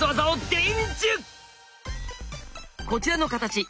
こちらの形。